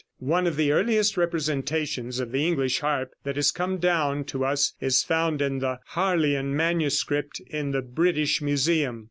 One of the earliest representations of the English harp that has come down to us is found in the Harleian manuscript in the British Museum.